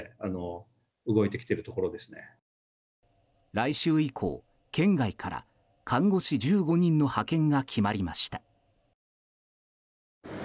来週以降、県外から看護師１５人の派遣が決まりました。